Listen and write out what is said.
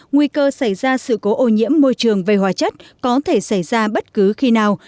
nguy cơ xảy ra sự cố ô nhiễm môi trường về hóa chất có thể xảy ra bất cứ khi nào